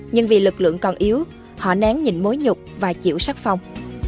nhưng vì lực lượng còn yếu họ nén nhìn mối nhục và chịu sắc phong